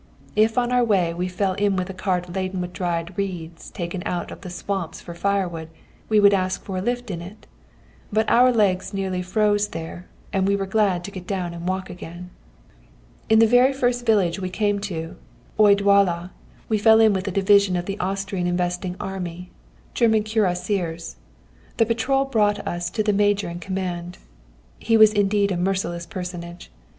If on our way we fell in with a cart laden with dried reeds taken out of the swamps for firewood, we would ask for a lift in it. But our legs nearly froze there, and we were glad to get down again and walk. "In the very first village we came to, O Gyalla, we fell in with a division of the Austrian investing army, German cuirassiers. The patrol brought us to the major in command. He was indeed a merciless personage.